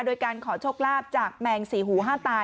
โดยการขอโชคลาภจากแมงสี่หูห้าตา